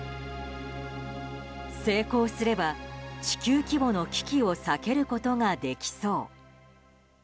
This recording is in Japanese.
成功すれば地球規模の危機を避けることができそう。